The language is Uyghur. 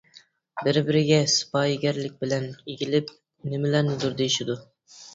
بىر-بىرىگە سىپايىگەرلىك بىلەن ئېگىلىپ نېمىلەرنىدۇر دېيىشىدۇ.